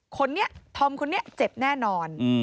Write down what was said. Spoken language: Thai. คนนี้ธอมคนนี้เจ็บแน่นอน